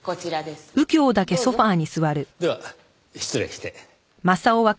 では失礼して。